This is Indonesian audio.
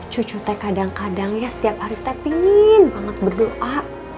cucu teh kadang kadang ya setiap hari teh pingin banget berdoa